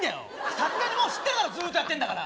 さすがにもう知ってるだろずっとやってんだから。